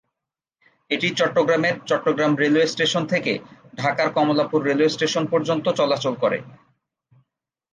এটি চট্টগ্রামের Chattogram railway station থেকে ঢাকার কমলাপুর রেলওয়ে স্টেশন পর্যন্ত চলাচল করে।